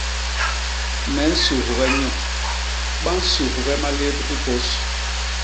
Me nsughe nyo, ba nsughe malép i pôs.